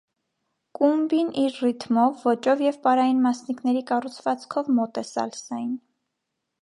Կումբին իր ռիթմով, ոճով և պարային մասնիկների կառուցվածքով մոտ է սալսային։